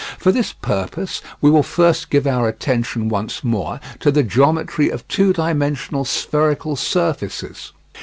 For this purpose we will first give our attention once more to the geometry of two dimensional spherical surfaces.